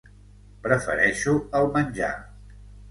Prefereixo el menjar.